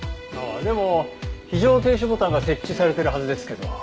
ああでも非常停止ボタンが設置されてるはずですけど。